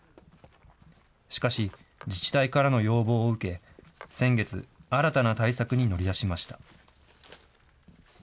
しかし、自治体からの要望を受け、先月、新たな対策に乗り出しました。